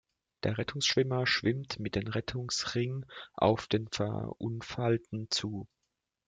Der Rettungsschwimmer schwimmt mit dem Rettungsring auf den Verunfallten zu.